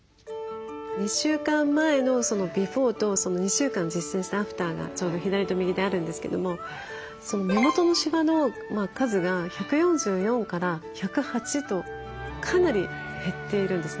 ２週間前のビフォーと２週間実践したアフターがちょうど左と右であるんですけども目元のしわの数が１４４から１０８とかなり減っているんですね。